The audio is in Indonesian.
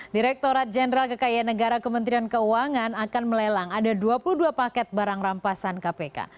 direktorat jenderal kekayaan negara kementerian keuangan akan melelang ada dua puluh dua paket barang rampasan kpk